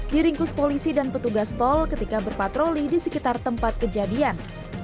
diringkus polisi dan petugas tol ketika berpatroli di sekitar tempat kejadian